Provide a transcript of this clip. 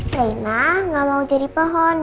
reina gak mau jadi pohon